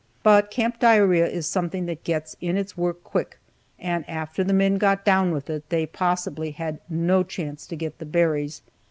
But camp diarrhea is something that gets in its work quick, and after the men got down with it, they possibly had no chance to get the berries.